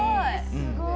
すごい！